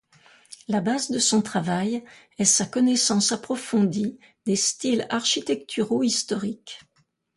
La base de son travail est sa connaissance approfondie des styles architecturaux historiques.